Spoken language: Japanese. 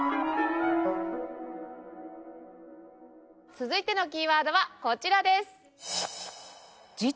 続いてのキーワードはこちらです。